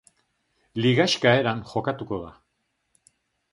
Ligaxka eran jokatuko da.